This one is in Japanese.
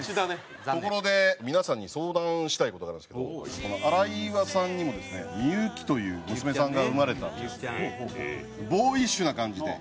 ところで皆さんに相談したい事があるんですけど荒岩さんにもですねみゆきという娘さんが生まれたんですけどボーイッシュな感じで。